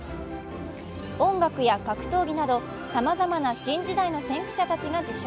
音楽や格闘技などさまざまな先駆者たちが受賞。